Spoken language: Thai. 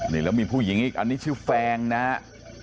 นี่แล้วมีผู้หญิงอีกอันนี้ชื่อแฟงนะฮะ